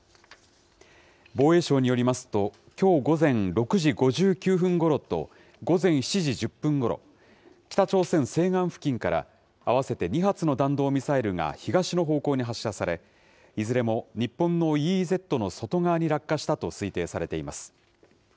防衛省によりますと、きょう午前６時５９分ごろと、午前７時１０分ごろ、北朝鮮西岸付近から合わせて２発の弾道ミサイルが東の方向に発射され、いずれも日本のＥＥＺの外側に落下したと推定されています。